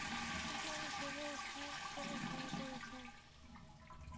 কিন্তু, উনি জেগে উঠায় তুমি ধরা পড়ে যাও!